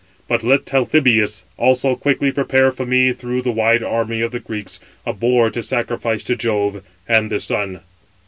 But let Talthybius also quickly prepare for me through the wide army of the Greeks, a boar to sacrifice to Jove and the sun."